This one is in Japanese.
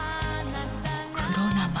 黒生！